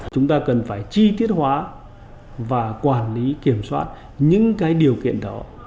chúng ta cần phải chi tiết hóa và quản lý kiểm soát những cái điều kiện đó